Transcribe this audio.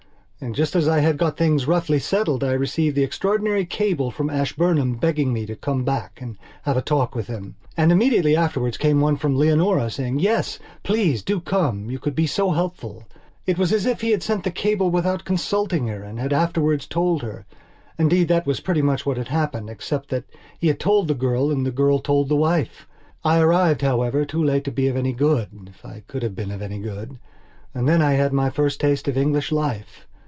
And just as I had got things roughly settled I received the extraordinary cable from Ashburnham begging me to come back and have a talk with him. And immediately afterwards came one from Leonora saying, "Yes, please do come. You could be so helpful." It was as if he had sent the cable without consulting her and had afterwards told her. Indeed, that was pretty much what had happened, except that he had told the girl and the girl told the wife. I arrived, however, too late to be of any good if I could have been of any good. And then I had my first taste of English life.